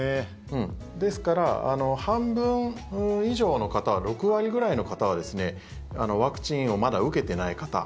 ですから、半分以上の方は６割ぐらいの方はワクチンをまだ受けていない方。